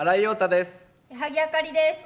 矢作あかりです。